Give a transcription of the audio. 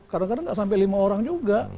kadang kadang tidak sampai lima orang juga